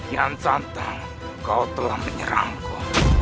yang santa kau telah menyerangku